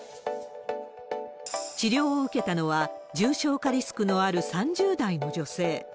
治療を受けたのは、重症化リスクのある３０代の女性。